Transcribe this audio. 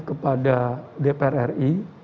kepada dpr ri